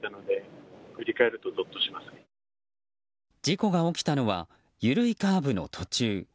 事故が起きたのは緩いカーブの途中。